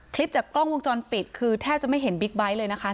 จากกล้องวงจรปิดคือแทบจะไม่เห็นบิ๊กไบท์เลยนะคะ